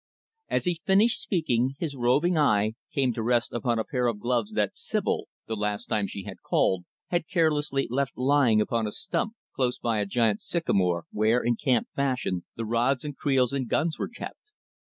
As he finished speaking, his roving eye came to rest upon a pair of gloves that Sibyl the last time she had called had carelessly left lying upon a stump close by a giant sycamore where, in camp fashion, the rods and creels and guns were kept.